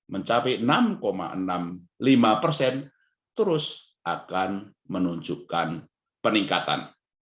mencapai enam enam puluh lima persen terus akan menunjukkan peningkatan